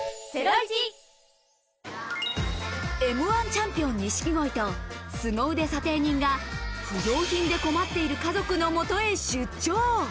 Ｍ−１チャンピオン錦鯉と、スゴ腕査定人が不用品で困っている家族のもとへ出張。